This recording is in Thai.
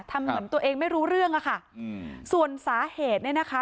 ทำเหมือนตัวเองไม่รู้เรื่องอะค่ะอืมส่วนสาเหตุเนี่ยนะคะ